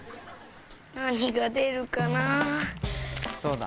何が出るかな？